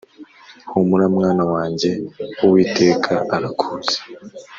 humura mwana wanjye uwiteka arakuzi